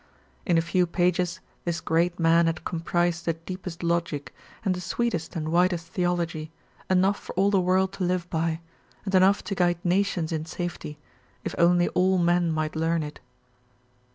In a few pages this great man had comprised the deepest logic, and the sweetest and widest theology, enough for all the world to live by, and enough to guide nations in safety, if only all men might learn it.